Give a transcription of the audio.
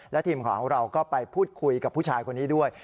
และทีมข่าวของเราก็ไปพูดคุยกับผู้ชายคนนี้ด้วย